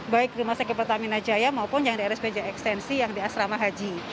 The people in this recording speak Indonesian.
baik rumah sakit pertamina jaya maupun yang di rspj ekstensi yang di asrama haji